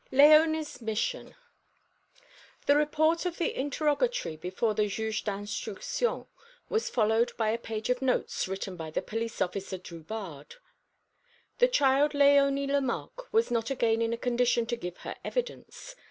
LÉONIE'S MISSION. The report of the interrogatory before the Juge d'Instruction was followed by a page of notes written by the police officer Drubarde. The child Léonie Lemarque was not again in a condition to give her evidence.